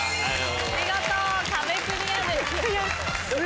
見事壁クリアです